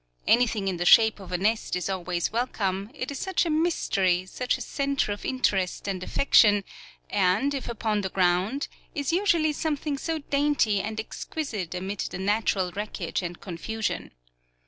Anything in the shape of a nest is always welcome, it is such a mystery, such a centre of interest and affection, and, if upon the ground, is usually something so dainty and exquisite amid the natural wreckage and confusion.